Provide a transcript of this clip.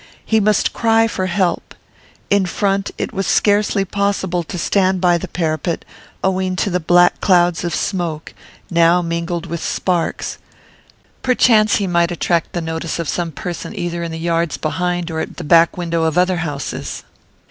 He must cry for help. In front it was scarcely possible to stand by the parapet, owing to the black clouds of smoke, now mingled with sparks; perchance he might attract the notice of some person either in the yards behind or at the back windows of other houses.